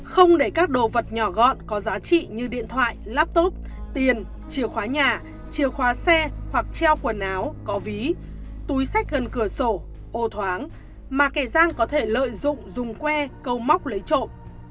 không để các đồ vật nhỏ gọn có giá trị như điện thoại laptop tiền chìa khóa nhà chìa khóa xe hoặc treo quần áo có ví túi sách gần cửa sổ ô thoáng mà kẻ gian có thể lợi dụng dùng que câu móc lấy trộm